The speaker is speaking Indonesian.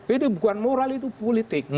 ini bukan moral itu politik